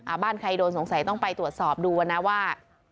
บ้านใครโดนสงสัยต้องไปตรวจสอบดูนะว่า